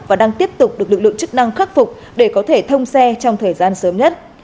và đang tiếp tục được lực lượng chức năng khắc phục để có thể thông xe trong thời gian sớm nhất